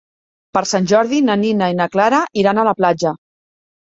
Per Sant Jordi na Nina i na Clara iran a la platja.